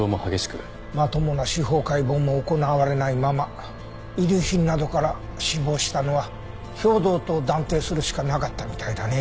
まともな司法解剖も行われないまま遺留品などから死亡したのは兵働と断定するしかなかったみたいだね。